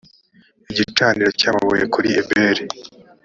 igicaniro cy amabuye kuri ebali